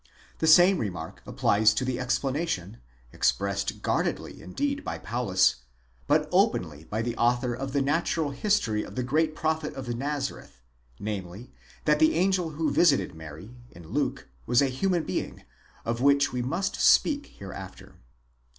The same remark applies to the explanation, ex pressed guardedly indeed by Paulus, but openly by the author of the Natural History of the Great Prophet of Nazareth, namely, that the angel who visited Mary (in Luke) was a human being; of which we must speak hereafier.